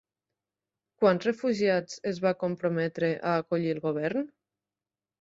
Quants refugiats es va comprometre a acollir el govern?